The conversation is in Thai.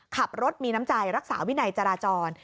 ขับรถมีน้ำใจรักษาวินัยจราจร